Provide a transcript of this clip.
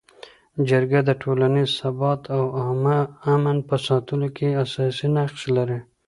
جرګه د ټولنیز ثبات او عامه امن په ساتلو کي اساسي نقش لري.